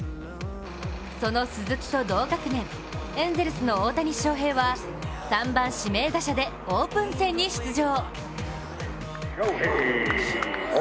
その鈴木と同学年エンゼルスの大谷翔平は３番・指名打者でオープン戦に出場。